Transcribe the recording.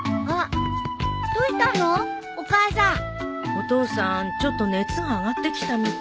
お父さんちょっと熱が上がってきたみたい。